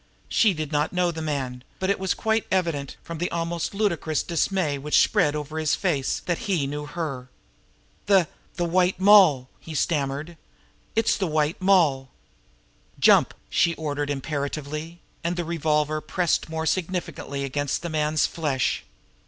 She did not know the man; but it was quite evident from the almost ludicrous dismay which spread over his face that he knew her. "The the White Moll!" he stammered. "It's the White Moll!" "Jump!" she ordered imperatively and her revolver pressed still more significantly against the man's flesh.